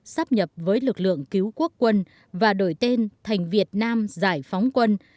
sắp nhập với lực lượng cứu quốc quân và đổi tên thành việt nam giải phóng quân